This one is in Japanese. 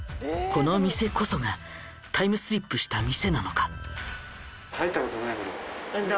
この店こそがタイムスリップした店なのか？